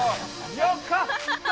よかった！